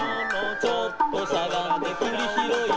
「ちょっとしゃがんでくりひろい」